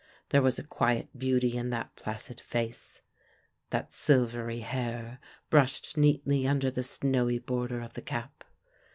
There was a quiet beauty in that placid face that silvery hair brushed neatly under the snowy border of the cap.